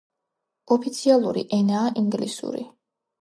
ოფიციალური ენაა ინგლისური.